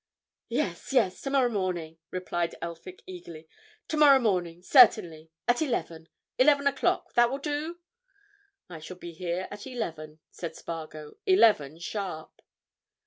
"Yes, yes, tomorrow morning!" replied Elphick eagerly. "Tomorrow morning, certainly. At eleven—eleven o'clock. That will do?" "I shall be here at eleven," said Spargo. "Eleven sharp."